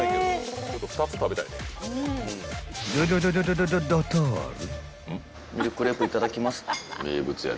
［ドドドドドドドドトール］